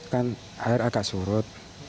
kan air agak surut